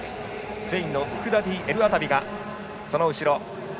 スペインのウフダディエルアタビがその後ろ。